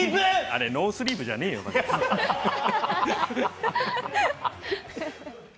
あれ、ノースリーブじゃねえよ、まじで。